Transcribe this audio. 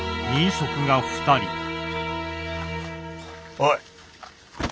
おい。